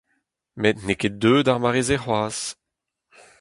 Met n'eo ket deuet ar mare-se c'hoazh !